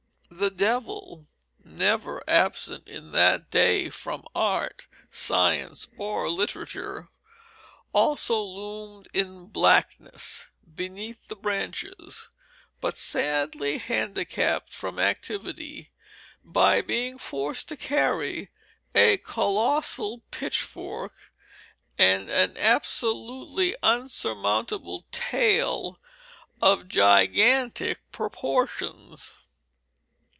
The devil, never absent in that day from art, science, or literature, also loomed in blackness beneath the branches, but sadly handicapped from activity by being forced to carry a colossal pitchfork and an absolutely unsurmountable tail of gigantic proportions.